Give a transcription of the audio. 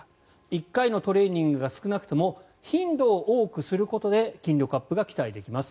１回のトレーニングが少なくても頻度を多くすることで筋力アップが期待できます。